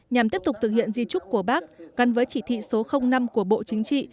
nhằm tiếp tục thực hiện di trúc của bác gắn với chỉ thị số năm của bộ chính trị